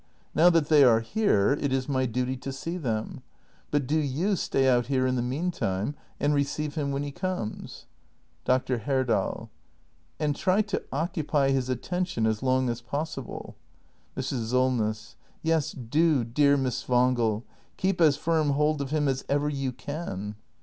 Now that they are here, it is my duty to see them. But do you stay out here in the meantime — and receive him when he comes. Dr. Herdal. And try to occupy his attention as long as possible Mrs. Solness. Yes, do, dear Miss Wangel. Keep as firm hold of him as ever you can.